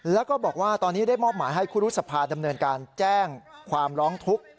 แล้วก็บอกว่าตอนนี้ได้มอบหมายให้ครูรุษภาดำเนินการแจ้งความร้องทุกข์